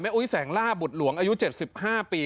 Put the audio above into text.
อุ๊ยแสงล่าบุตรหลวงอายุ๗๕ปี